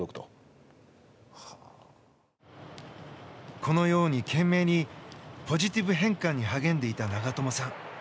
このように懸命にポジティブ変換に励んでいた長友さん。